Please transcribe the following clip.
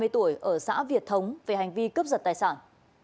ba mươi tuổi ở xã việt thống về hành vi cướp giật tài sản